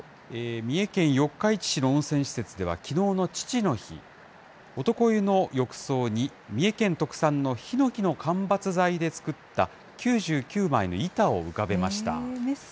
三重県四日市市の温泉施設では、きのうの父の日、男湯の浴槽に、三重県特産のヒノキの間伐材で作った９９枚の板を浮かべました。